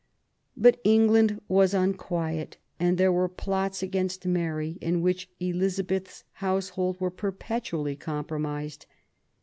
But England was unquiet ; and there were plots against Mary in which Elizabeth's household were perpetually compromised.